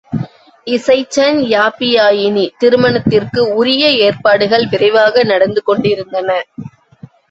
இசைச்சன், யாப்பியாயினி திருமணத்திற்கு உரிய ஏற்பாடுகள் விரைவாக நடந்து கொண்டிருந்தன.